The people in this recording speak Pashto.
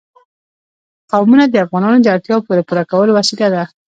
قومونه د افغانانو د اړتیاوو د پوره کولو وسیله ده.